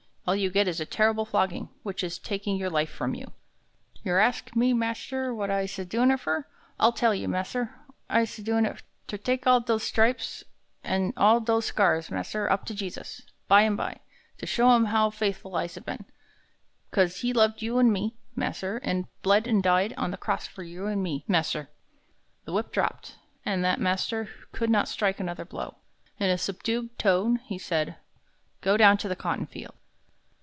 All you get is a terrible flogging, which is taking your life from you." "Yer ax me, mas'r, what I'se doin' it fer. I'll tell you, mas'r. I'se goin' ter tak all dos stripes an' all dos scars, mas'r, up to Jesus, by an' by, to show him how faithful I'se been, 'cause he loved you an' me, mas'r, an' bled an' died on the cross for you an' me, mas'r." The whip dropped, and that master could not strike another blow. In a subdued tone he said: "Go down in the cotton field."